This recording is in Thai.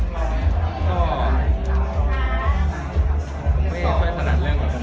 ไม่ค่อยถนัดเรื่องมันเปล่า